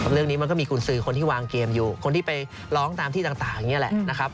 เรื่องนี้มันก็มีกุญสือคนที่วางเกมอยู่คนที่ไปร้องตามที่ต่างอย่างนี้แหละนะครับ